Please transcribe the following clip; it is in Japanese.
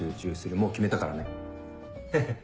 もう決めたからねヘヘ。